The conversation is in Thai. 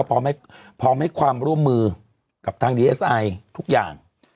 แล้วก็พร้อมให้ความร่วมมือกับทางดีเอสไอฟ์ฟังทุกอย่าง